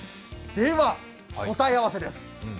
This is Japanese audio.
では、答え合わせです。